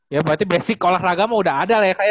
ya berarti basic olahraga mah udah ada lah ya